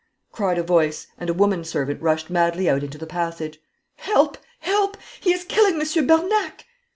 cried a voice, and a woman servant rushed madly out into the passage. 'Help, help; he is killing Monsieur Bernac!'